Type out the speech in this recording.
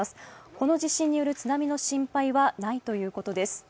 この地震による津波の心配はないということです。